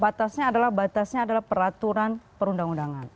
batasnya adalah batasnya adalah peraturan perundang undangan